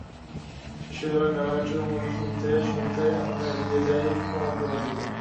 বিশ্ববিদ্যালয়ের নানা কার্যক্রমের কথা শুনতে শুনতে আমরা এগিয়ে যাই কমনরুমের দিকে।